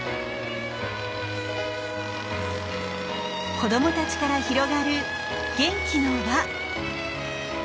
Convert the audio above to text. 子どもたちから広がる元気の輪。